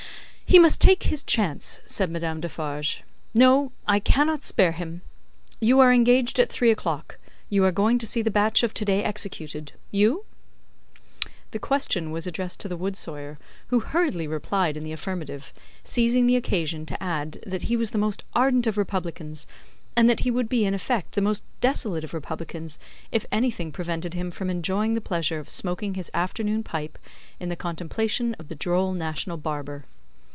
"He must take his chance," said Madame Defarge. "No, I cannot spare him! You are engaged at three o'clock; you are going to see the batch of to day executed. You?" The question was addressed to the wood sawyer, who hurriedly replied in the affirmative: seizing the occasion to add that he was the most ardent of Republicans, and that he would be in effect the most desolate of Republicans, if anything prevented him from enjoying the pleasure of smoking his afternoon pipe in the contemplation of the droll national barber.